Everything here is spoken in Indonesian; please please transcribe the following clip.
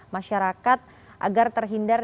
masyarakat agar terhindari